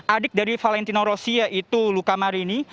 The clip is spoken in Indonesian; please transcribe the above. adik dari valentino rossi yaitu luca marini